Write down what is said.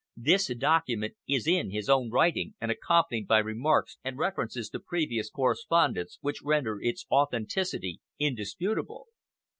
This document is in his own writing and accompanied by remarks and references to previous correspondence which render its authenticity indisputable."